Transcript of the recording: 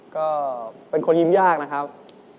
ก็เป็นคนยิ้มยากนะครับ